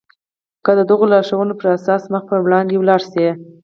که د دغو لارښوونو پر اساس مخ پر وړاندې ولاړ شئ.